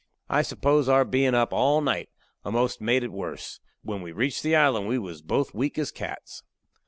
I s'pose our bein' up all night a'most made it worse. When we reached the island we was both weak as cats.